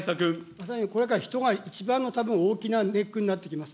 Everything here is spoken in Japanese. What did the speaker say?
まさにこれから人が一番の大きなネックになってきます。